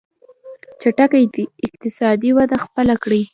چټکه اقتصادي وده خپله کړي.